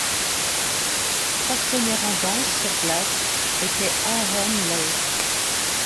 Son partenaire en danse sur glace était Aaron Lowe.